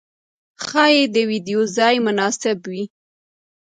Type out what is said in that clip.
ښايې د ويدېدو ځای مناسب وي.